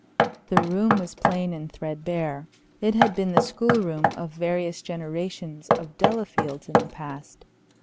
The room was plain and threadbare. It had been the school room of various generations of Delafields in the past.